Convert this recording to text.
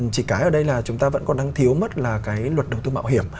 chỉ cái ở đây là chúng ta vẫn còn đang thiếu mất là cái luật đầu tư mạo hiểm